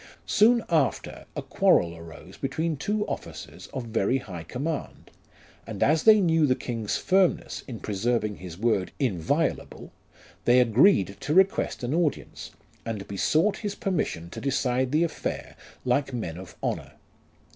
Soon after, a quarrel arose between two officers of very high command, and as they knew the king's firmness in preserving his word inviolable, they agreed to request an audience, and besought his permission to decide the affair like men of honour.